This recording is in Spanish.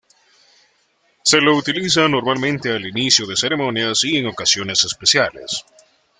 Se lo utiliza normalmente al inicio de ceremonias y en ocasiones especiales.